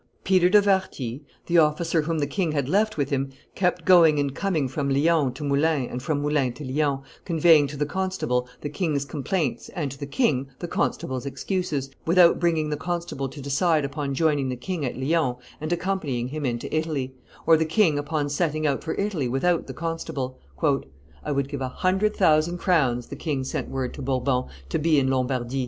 Peter de Warthy, the officer whom the king had left with him, kept going and coming from Lyons to Moulins and from Moulins to Lyons, conveying to the constable the king's complaints and to the king the constable's excuses, without bringing the constable to decide upon joining the king at Lyons and accompanying him into Italy, or the king upon setting out for Italy without the constable. "I would give a hundred thousand crowns," the king sent word to Bourbon, "to be in Lombardy."